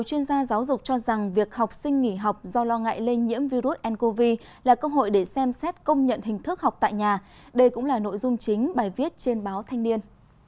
các chuyên gia giáo dục cho rằng việc học sinh nghỉ học do lo ngại lây nhiễm virus ncov là cơ hội để xem xét công nhận hình thức học tại nhà đây cũng là nội dung chính bài viết trên báo thanh niên